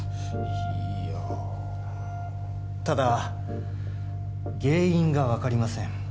いやあただ原因が分かりません